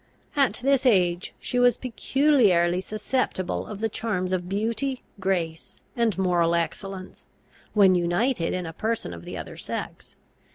At this age she was peculiarly susceptible of the charms of beauty, grace, and moral excellence, when united in a person of the other sex.